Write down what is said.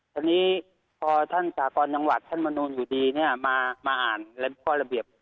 ตอนนี้พอท่านจากรจังหวัดท่านมณูนอยู่ดีมาอ่านแล้วก็ระเบียบ